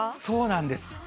そうなんです。